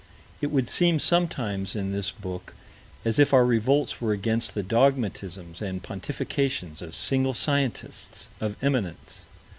It would seem sometimes, in this book, as if our revolts were against the dogmatisms and pontifications of single scientists of eminence.